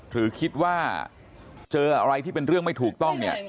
หรือคิดว่าเจออะไรที่เป็นเรื่องไม่ถูกต้องเนี่ย